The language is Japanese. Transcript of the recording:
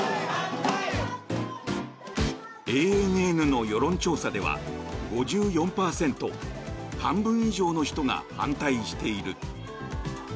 ＡＮＮの世論調査では５４％半分以上の人が反対している。